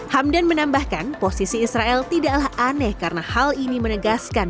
hamdan menambahkan posisi israel tidaklah aneh karena hal ini menegaskan